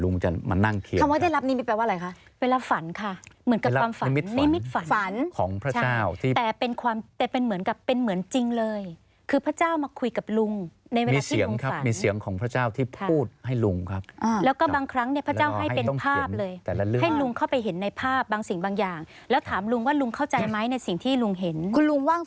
นิมิตฝันฝันของพระเจ้าใช่แต่เป็นเหมือนกับเป็นเหมือนจริงเลยคือพระเจ้ามาคุยกับลุงในเวลาที่ลุงฝันมีเสียงครับมีเสียงของพระเจ้าที่พูดให้ลุงครับแล้วก็บางครั้งพระเจ้าให้เป็นภาพเลยให้ลุงเข้าไปเห็นในภาพบางสิ่งบางอย่างแล้วถามลุงว่าลุงเข้าใจไหมในสิ่งที่ลุงเห็นคุ